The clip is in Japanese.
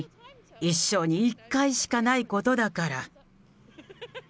一生に一回しかないことだから。